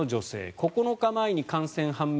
９日前の感染判明